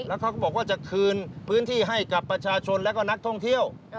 แล้วเขาก็บอกว่าจะคืนพื้นที่ให้กับประชาชนและก็นักท่องเที่ยว